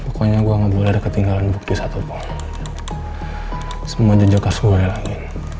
pokoknya gua nggak boleh ketinggalan bukti satupun semua jejak asli lagi